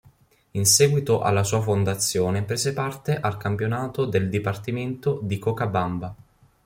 In seguito alla sua fondazione prese parte al campionato del Dipartimento di Cochabamba.